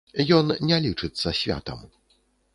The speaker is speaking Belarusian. Ён не лічыцца святам.